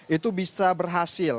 itu bisa berhasil